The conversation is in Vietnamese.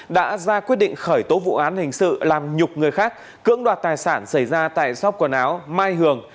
đã ra quyết định khởi tố vụ án hình sự làm nhục người khác cưỡng đoạt tài sản xảy ra tại sóc quần áo mai hường